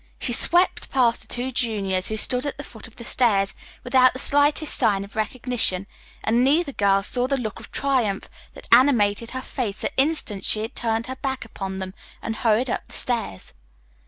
She swept past the two juniors who stood at the foot of the stairs without the slightest sign of recognition, and neither girl saw the look of triumph that animated her face the instant she had turned her back upon them and hurried up the stairs.